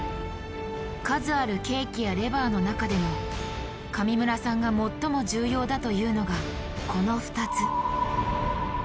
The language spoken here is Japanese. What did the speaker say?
数ある計器やレバーの中でも上村さんが最も重要だというのがこの２つ。